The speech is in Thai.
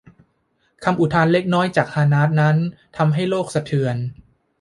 คำอุทานเล็กน้อยจากฮานาด์นั้นทำให้โลกสะเทือน